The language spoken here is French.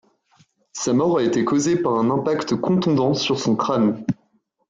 Sa mort a été causée par un impact contondant sur son crâne.